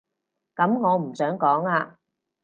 噉我唔想講啊